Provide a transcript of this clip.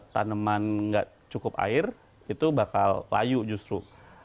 tanaman nggak cukup air itu bakal layu justru